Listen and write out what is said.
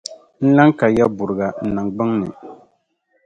n lan ka yaburiga n niŋgbuŋ ni.